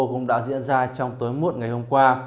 cũng đã diễn ra trong tối muộn ngày hôm qua